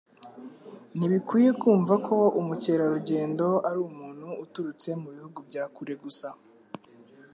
Ntibikwiye kumva ko umukerarugendo ari umuntu uturutse mu bihugu bya kure gusa.